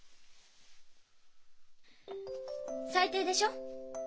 最低でしょ？